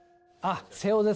瀬尾です。